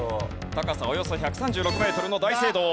高さおよそ１３６メートルの大聖堂。